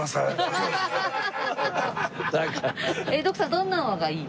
どんなのがいい？